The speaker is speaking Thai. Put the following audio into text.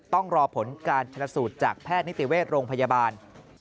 ต้องรอผลการชนสูตรจากแพทย์นิติเวชโรงพยาบาล